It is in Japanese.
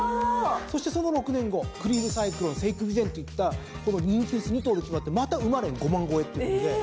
そしてその６年後クリールサイクロンセイクビゼンといったこの人気薄２頭が決まってまた馬連５万円超えということで。